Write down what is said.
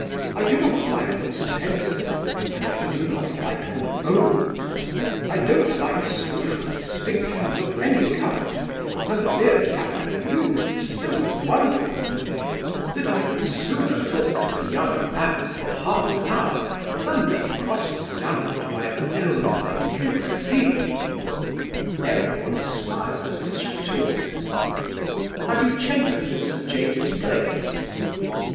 I do not like them sensible, and I do not like them old; I don't like social distinctions of any kind, and the mere fact of youth is so wonderful to me that I would sooner talk to a young man for half an hour than be cross examined by an elderly Q.C." Everyone smiled at this retort. "Had you chambers in St. James's Place?"